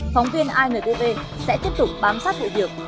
phóng viên intv sẽ tiếp tục bám sát vụ việc